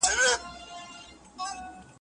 بلکې د وجدان او ضمیر په غوږونو